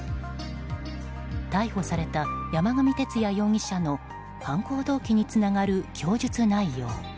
逮捕された山上容疑者の犯行動機につながる供述内容。